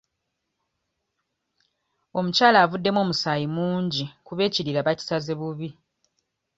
Omukyala avuddemu omusaayi mungi kuba ekirira bakisaze bubi.